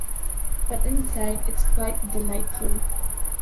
But inside it's quite delightful.